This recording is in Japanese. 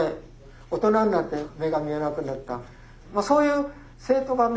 大人になって目が見えなくなったそういう生徒がね